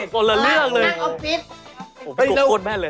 คนละเรื่องเลย